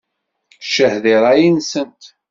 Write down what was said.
Ccah di ṛṛay-nsent!